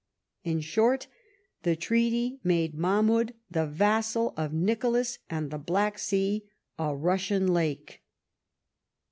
*' In short, the treaty made MaliQioud the vassal of Nicholas, and the Black Sea a Russian lake.